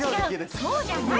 そうじゃない！